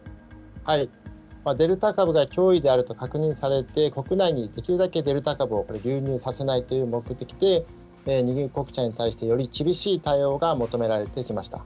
デルタ株が脅威であると確認されて、国内にできるだけデルタ株を流入させないという目的で、入国者に対してより厳しい対応が求められてきました。